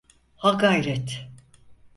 Ha gayret!